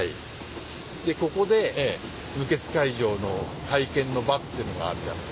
ここで無血開城の会見の場っていうのがあるじゃない。